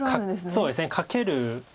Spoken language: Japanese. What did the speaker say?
そうですねカケる。